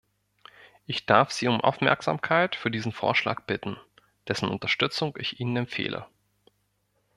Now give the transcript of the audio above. Ich darf Sie um Aufmerksamkeit für diesen Vorschlag bitten, dessen Unterstützung ich Ihnen empfehle.